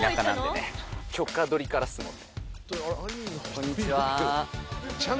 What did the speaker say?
こんにちは。